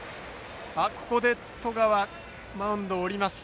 ここで十川はマウンドを降ります。